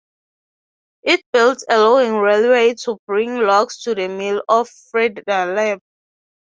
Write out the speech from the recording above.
It built a logging railroad to bring logs to the mill at Fredalba.